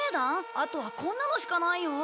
あとはこんなのしかないよ。